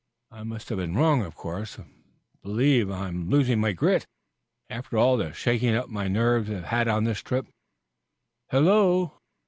I must have been wrong of course. Believe I'm losing my grit. After all the shaking up my nerves have had on this trip " "Hello!"